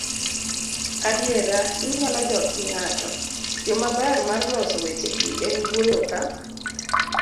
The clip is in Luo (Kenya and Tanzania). adiera, inyalo jok gi ng'ato. yo maber mar loso wechegi en wuoyo ka